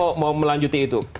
justru saya mau melanjutkan itu